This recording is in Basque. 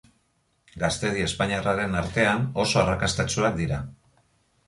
Gaztedi espainiarraren artean oso arrakastatsuak dira.